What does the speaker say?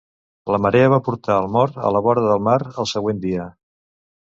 La marea va portar el mort a la vora del mar el següent dia.